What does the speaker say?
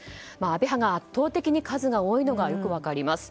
安倍派が圧倒的に数が多いのが分かります。